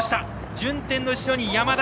順天の後ろに山田。